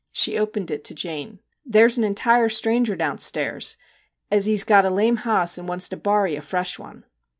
She opened it to Jane. ' There 's an entire stranger downstairs, ez hez got a lame hoss and wants to borry a fresh one.'